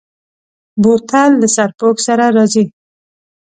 بوتل له سرپوښ سره راځي.